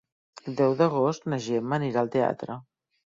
El deu d'agost na Gemma anirà al teatre.